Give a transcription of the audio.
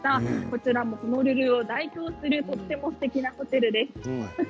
こちらもホノルルを代表するとてもすてきなホテルです。